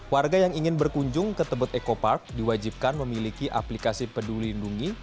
warga yang ingin berkunjung ke tebet eco park diwajibkan memiliki aplikasi peduli lindungi